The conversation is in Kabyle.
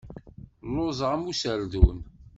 Lluẓeɣ am userdun.